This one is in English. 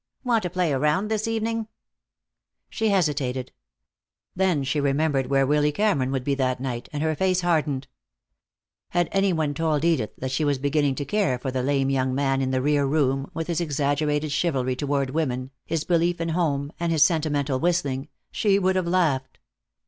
"Want to play around this evening?" She hesitated. Then she remembered where Willy Cameron would be that night, and her face hardened. Had any one told Edith that she was beginning to care for the lame young man in the rear room, with his exaggerated chivalry toward women, his belief in home, and his sentimental whistling, she would have laughed.